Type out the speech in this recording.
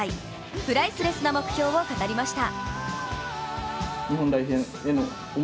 プライスレスな目標を語りました。